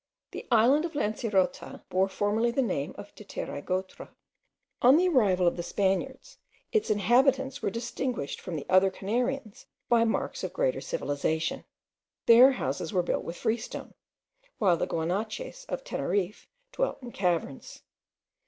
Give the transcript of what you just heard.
The island of Lancerota bore formerly the name of Titeroigotra. On the arrival of the Spaniards, its inhabitants were distinguished from the other Canarians by marks of greater civilization. Their houses were built with freestone, while the Guanches of Teneriffe dwelt in caverns.